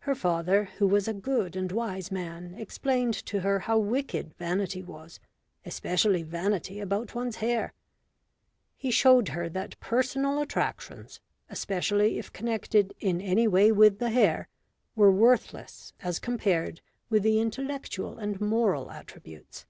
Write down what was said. Her father, who was a good and wise man, explained to her how wicked vanity was, especially vanity about one's hair. He showed her that personal attractions, especially if connected in any way with the hair, were worthless as compared with the intellectual and moral attributes.